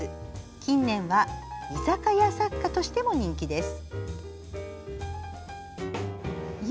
近年は、居酒屋作家としても人気です。